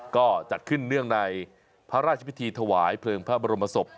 ก็จัดขึ้นเนื่องในพระราชพิธีถวายเพลิงพระบรมศพ